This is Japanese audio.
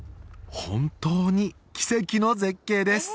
本当に奇跡の絶景です！